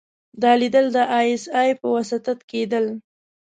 دا ليدل د ای اس ای په وساطت کېدل.